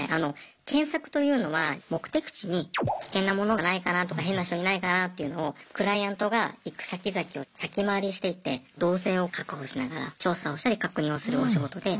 検索というのは目的地に危険な物がないかなとか変な人いないかなっていうのをクライアントが行く先々を先回りしていって動線を確保しながら調査をしたり確認をするお仕事で。